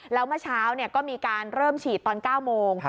แล้วเมื่อเช้าก็มีการเริ่มฉีดตอน๙โมง